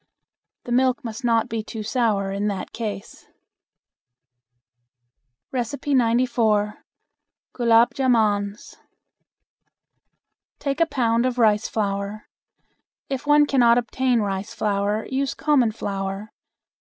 The milk must not be too sour in that case. 94. Gulab Jamans. Take a pound of rice flour. If one cannot obtain rice flour use common flour.